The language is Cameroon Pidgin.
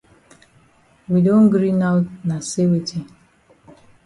We don gree now na say weti?